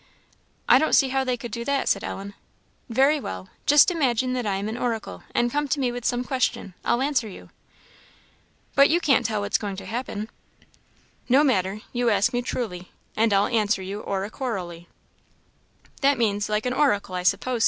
"I don't see how they could do that," said Ellen. "Very well just imagine that I am an oracle, and come to me with some question; I'll answer you." "But you can't tell what's going to happen?" "No matter you ask me truly, and I'll answer you oracularly." "That means, like an oracle, I suppose?"